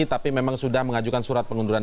tapi memang sudah mengajukan surat pengunduran